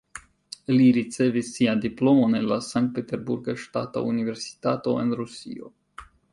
Li ricevis sian diplomon en la Sankt-Peterburga Ŝtata Universitato en Rusio.